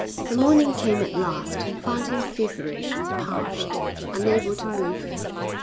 The morning came at last and found him feverish and parched, unable to move.